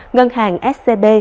ngân hàng scb